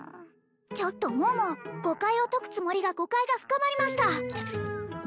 ちょっと桃誤解を解くつもりが誤解が深まりました